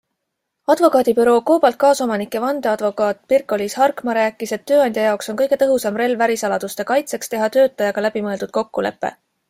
Advokaadibüroo Cobalt kaasomanik ja vandeadvokaat Pirkko-Liis Harkmaa rääkis, et tööandja jaoks on kõige tõhusam relv ärisaladuste kaitseks teha töötajaga läbimõeldud kokkulepe.